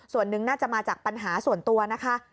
ส่วนหนึ่งน่าจะมาจากปัญหาส่วนตัวนะคะ